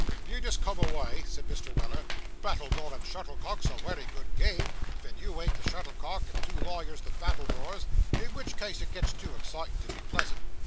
'You just come away,' said Mr. Weller. 'Battledore and shuttlecock's a wery good game, vhen you ain't the shuttlecock and two lawyers the battledores, in which case it gets too excitin' to be pleasant.